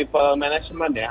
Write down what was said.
bicara people management ya